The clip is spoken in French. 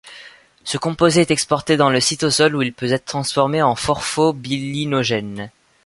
Ce composé est exporté dans le cytosol où il peut être transformé en porphobilinogène.